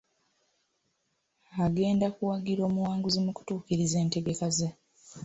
Agenda kuwagira omuwanguzi mu kutuukiriza entegeka ze.